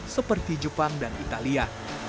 seperti jepang dan italia